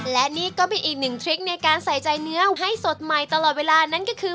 และนี่ก็เป็นอีกหนึ่งทริคในการใส่ใจเนื้อให้สดใหม่ตลอดเวลานั่นก็คือ